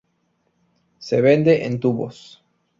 Se vende en tubos.